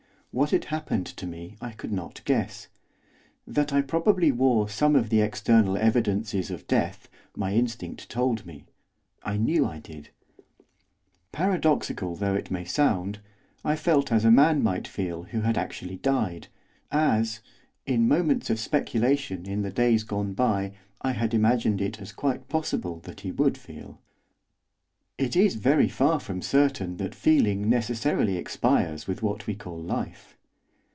What had happened to me I could not guess. That I probably wore some of the external evidences of death my instinct told me, I knew I did. Paradoxical though it may sound, I felt as a man might feel who had actually died, as, in moments of speculation, in the days gone by, I had imagined it as quite possible that he would feel. It is very far from certain that feeling necessarily expires with what we call life.